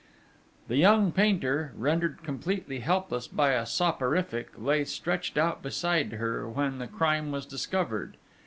The young painter, rendered completely helpless by a soporific, lay stretched out beside her when the crime was discovered.